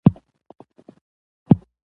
باسواده نجونې د رواني فشار مدیریت زده کوي.